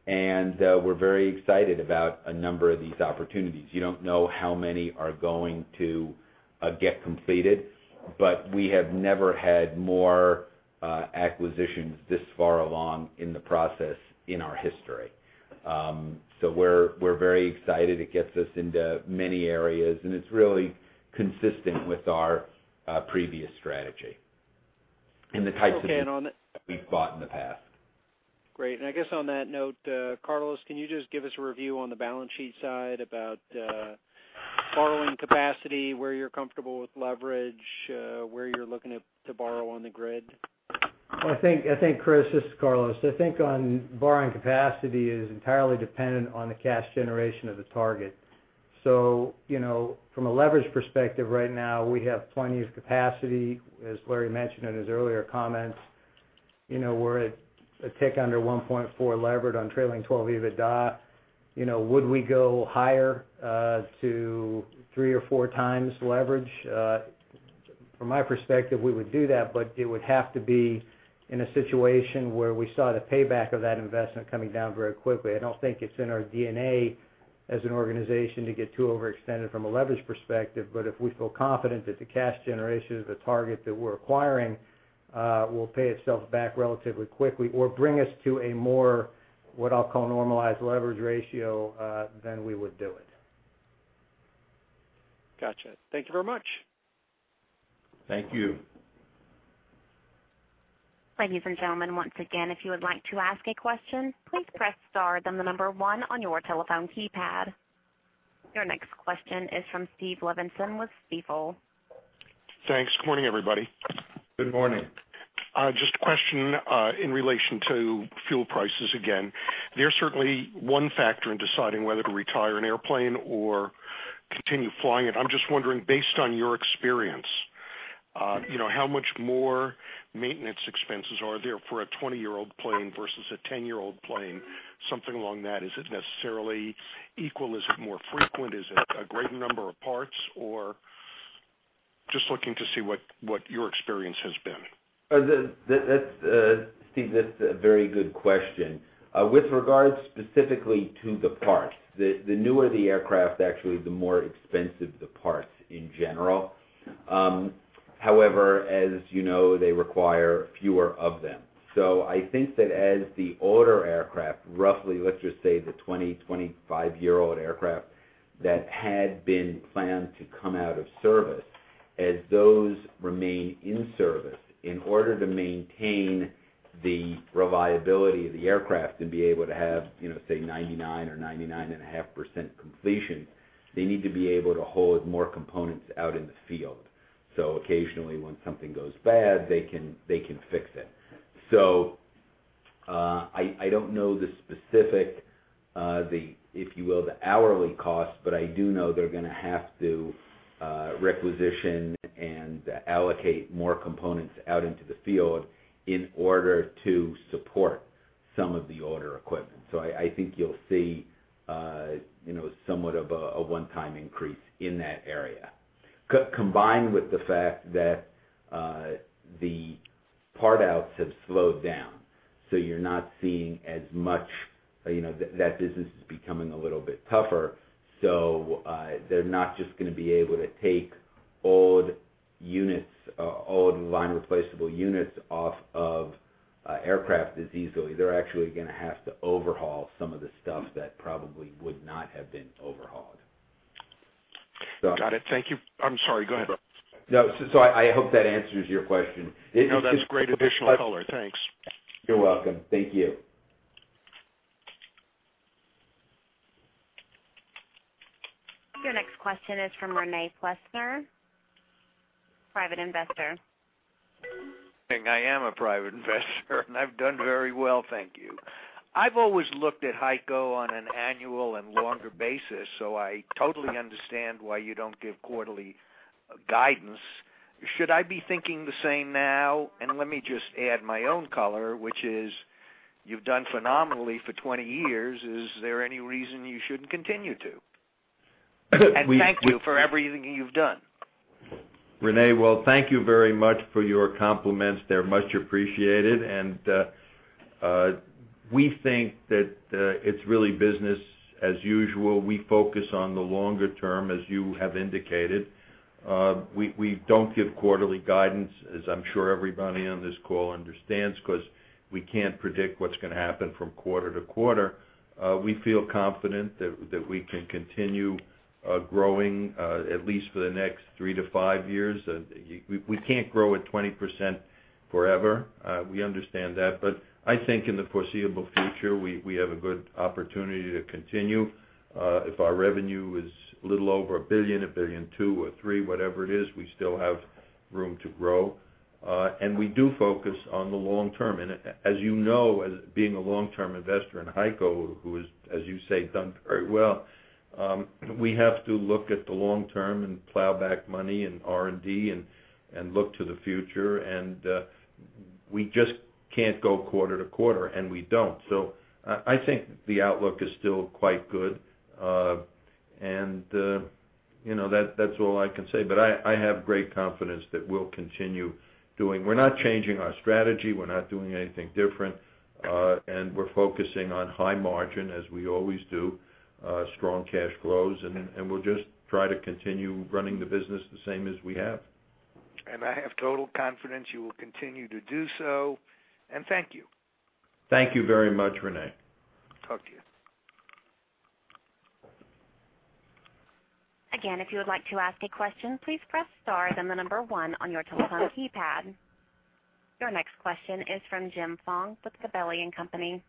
We're very excited about a number of these opportunities. You don't know how many are going to get completed, but we have never had more acquisitions this far along in the process in our history. We're very excited. It gets us into many areas, and it's really consistent with our previous strategy and the types of- Okay, We've bought in the past. Great. I guess on that note, Carlos, can you just give us a review on the balance sheet side about borrowing capacity, where you're comfortable with leverage, where you're looking to borrow on the grid? I think, Chris, this is Carlos. I think on borrowing capacity is entirely dependent on the cash generation of the target. From a leverage perspective right now, we have plenty of capacity. As Larry mentioned in his earlier comments, we're at a tick under 1.4 leverage on trailing 12 EBITDA. Would we go higher to three or four times leverage? From my perspective, we would do that, but it would have to be in a situation where we saw the payback of that investment coming down very quickly. I don't think it's in our DNA as an organization to get too overextended from a leverage perspective, but if we feel confident that the cash generation of the target that we're acquiring will pay itself back relatively quickly or bring us to a more, what I'll call normalized leverage ratio, then we would do it. Gotcha. Thank you very much. Thank you. Ladies and gentlemen, once again, if you would like to ask a question, please press star then the number 1 on your telephone keypad. Your next question is from Stephen Levenson with Stifel. Thanks. Good morning, everybody. Good morning. Just a question in relation to fuel prices again. They're certainly one factor in deciding whether to retire an airplane or continue flying it. I'm just wondering, based on your experience, how much more maintenance expenses are there for a 20-year-old plane versus a 10-year-old plane? Something along that. Is it necessarily equal? Is it more frequent? Is it a greater number of parts? Just looking to see what your experience has been. Steve, that's a very good question. With regard specifically to the parts, the newer the aircraft actually, the more expensive the parts in general. However, as you know, they require fewer of them. I think that as the older aircraft, roughly, let's just say the 20, 25-year-old aircraft that had been planned to come out of service, as those remain in service in order to maintain the reliability of the aircraft and be able to have, say, 99% or 99.5% completion. They need to be able to hold more components out in the field. Occasionally, when something goes bad, they can fix it. I don't know the specific, if you will, the hourly cost, but I do know they're going to have to requisition and allocate more components out into the field in order to support some of the older equipment. I think you'll see somewhat of a one-time increase in that area. Combined with the fact that the part-outs have slowed down, you're not seeing as much. That business is becoming a little bit tougher, they're not just going to be able to take old line replaceable units off of aircraft as easily. They're actually going to have to overhaul some of the stuff that probably would not have been overhauled. Got it. Thank you. I'm sorry. Go ahead. No, I hope that answers your question. No, that was great additional color. Thanks. You're welcome. Thank you. Your next question is from René Plessner, private investor. I am a private investor, I've done very well, thank you. I've always looked at HEICO on an annual and longer basis, I totally understand why you don't give quarterly guidance. Should I be thinking the same now? Let me just add my own color, which is, you've done phenomenally for 20 years. Is there any reason you shouldn't continue to? Thank you for everything you've done. René, well, thank you very much for your compliments. They're much appreciated. We think that it's really business as usual. We focus on the longer term, as you have indicated. We don't give quarterly guidance, as I'm sure everybody on this call understands, because we can't predict what's going to happen from quarter to quarter. We feel confident that we can continue growing at least for the next three to five years. We can't grow at 20% forever. We understand that. I think in the foreseeable future, we have a good opportunity to continue. If our revenue is a little over a billion, a billion two or three, whatever it is, we still have room to grow. We do focus on the long term. As you know, being a long-term investor in HEICO, who has, as you say, done very well, we have to look at the long term and plow back money in R&D and look to the future. We just can't go quarter to quarter, and we don't. I think the outlook is still quite good. That's all I can say, but I have great confidence that we'll continue doing. We're not changing our strategy. We're not doing anything different. We're focusing on high margin as we always do, strong cash flows, and we'll just try to continue running the business the same as we have. I have total confidence you will continue to do so. Thank you. Thank you very much, René. Talk to you. Again, if you would like to ask a question, please press star, then the number one on your telephone keypad. Your next question is from James Fuong with Gabelli & Company.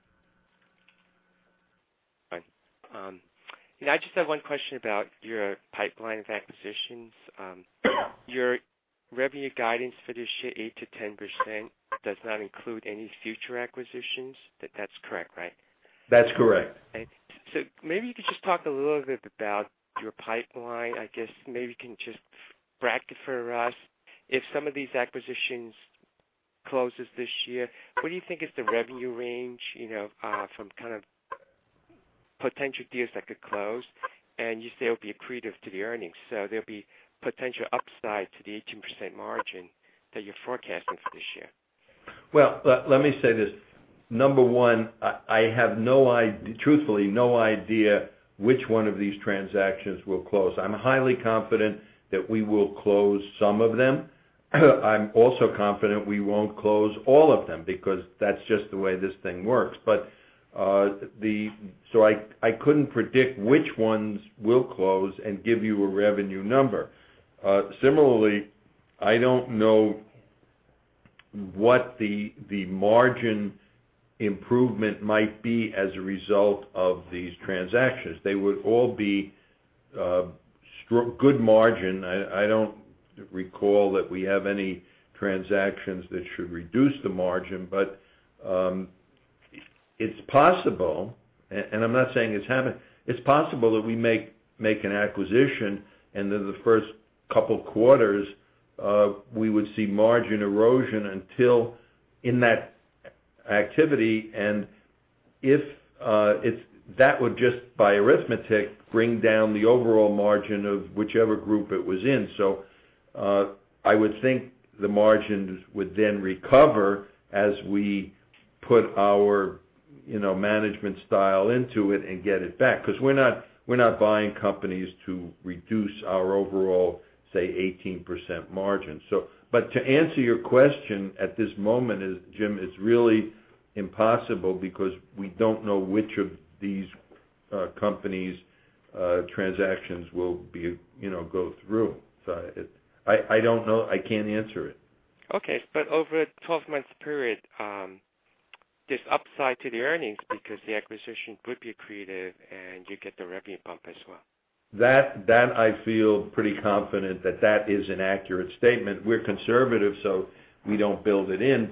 Hi. I just have one question about your pipeline of acquisitions. Your revenue guidance for this year, 8%-10%, does not include any future acquisitions. That's correct, right? That's correct. Okay. Maybe you could just talk a little bit about your pipeline. I guess maybe you can just bracket for us if some of these acquisitions closes this year, what do you think is the revenue range, from kind of potential deals that could close? You say it'll be accretive to the earnings, so there'll be potential upside to the 18% margin that you're forecasting for this year. Well, let me say this. Number one, I have, truthfully, no idea which one of these transactions will close. I'm highly confident that we will close some of them. I'm also confident we won't close all of them, because that's just the way this thing works. I couldn't predict which ones will close and give you a revenue number. Similarly, I don't know what the margin improvement might be as a result of these transactions. They would all be good margin. I don't recall that we have any transactions that should reduce the margin, but it's possible, and I'm not saying it's happened. It's possible that we make an acquisition, and then the first couple quarters, we would see margin erosion until in that activity. If that would just, by arithmetic, bring down the overall margin of whichever group it was in. I would think the margins would then recover as we put our management style into it and get it back. We're not buying companies to reduce our overall, say, 18% margin. To answer your question, at this moment, Jim, it's really impossible because we don't know which of these companies' transactions will go through. I don't know. I can't answer it. Over a 12-month period, there's upside to the earnings because the acquisition would be accretive, and you get the revenue bump as well. That I feel pretty confident that is an accurate statement. We're conservative, we don't build it in,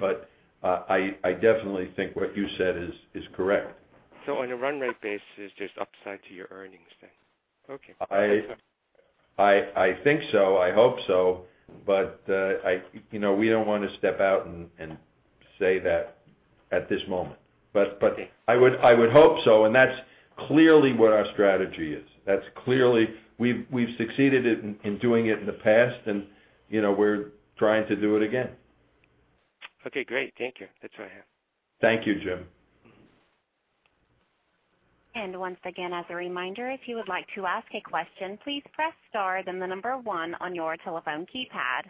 I definitely think what you said is correct. On a run rate basis, there's upside to your earnings then. Okay. I think so. I hope so. We don't want to step out and say that at this moment. Okay. I would hope so, and that's clearly what our strategy is. We've succeeded in doing it in the past, and we're trying to do it again. Okay, great. Thank you. That's what I have. Thank you, Jim. Once again, as a reminder, if you would like to ask a question, please press star, then 1 on your telephone keypad.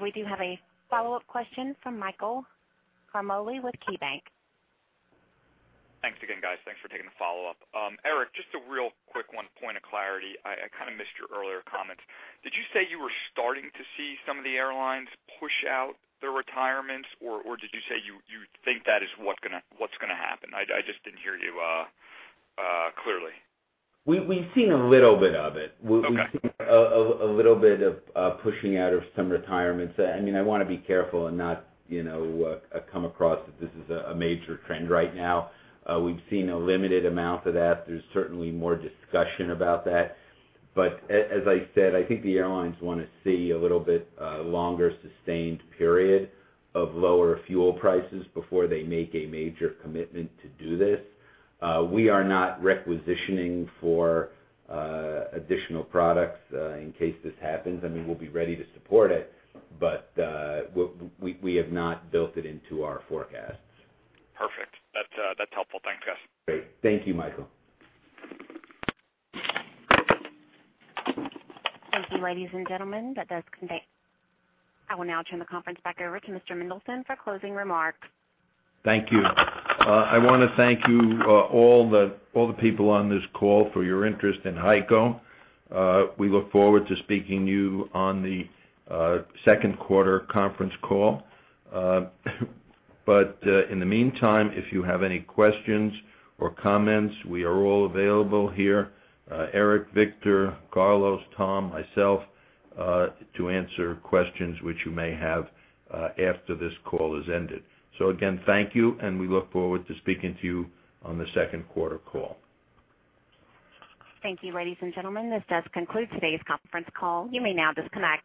We do have a follow-up question from Michael Ciarmoli with KeyBanc. Thanks again, guys. Thanks for taking the follow-up. Eric, just a real quick one, point of clarity. I kind of missed your earlier comments. Did you say you were starting to see some of the airlines push out the retirements, or did you say you think that is what's going to happen? I just didn't hear you clearly. We've seen a little bit of it. Okay. We've seen a little bit of pushing out of some retirements. I want to be careful and not come across that this is a major trend right now. We've seen a limited amount of that. There's certainly more discussion about that. As I said, I think the airlines want to see a little bit longer sustained period of lower fuel prices before they make a major commitment to do this. We are not requisitioning for additional products in case this happens. We'll be ready to support it, but we have not built it into our forecasts. Perfect. That's helpful. Thanks, guys. Great. Thank you, Michael. Thank you, ladies and gentlemen. I will now turn the conference back over to Mr. Mendelson for closing remarks. Thank you. I want to thank you all the people on this call for your interest in HEICO. We look forward to speaking to you on the second quarter conference call. In the meantime, if you have any questions or comments, we are all available here, Eric, Victor, Carlos, Tom, myself, to answer questions which you may have after this call is ended. Again, thank you, and we look forward to speaking to you on the second quarter call. Thank you, ladies and gentlemen. This does conclude today's conference call. You may now disconnect.